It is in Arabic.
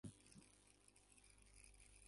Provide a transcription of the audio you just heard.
چکار قراره بکنم من الان؟